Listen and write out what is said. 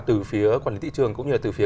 từ phía quản lý thị trường cũng như là từ phía